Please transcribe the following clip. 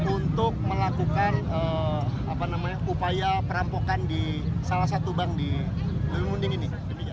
untuk melakukan upaya perampokan di salah satu bank di munding ini